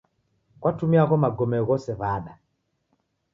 Kwatumie agho magome ghose w'ada?